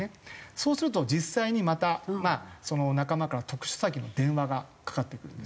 そうすると実際にまたその仲間から特殊詐欺の電話がかかってくるんですよ。